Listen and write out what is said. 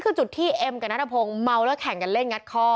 คือจุดที่เอ็มกับนัทพงศ์เมาแล้วแข่งกันเล่นงัดคอ